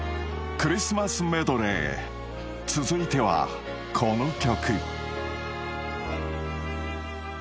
クリスマスメドレー続いてはこの曲